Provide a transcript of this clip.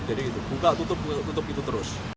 jadi buka tutup tutup itu terus